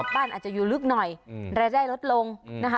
บ้านอาจจะอยู่ลึกหน่อยรายได้ลดลงนะคะ